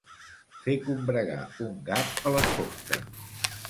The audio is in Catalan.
Fer combregar un gat a les fosques.